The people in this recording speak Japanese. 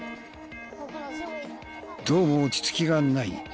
どうも落ち着きがない。